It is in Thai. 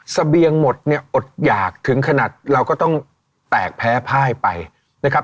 เสบียงหมดเนี่ยอดหยากถึงขนาดเราก็ต้องแตกแพ้พ่ายไปนะครับ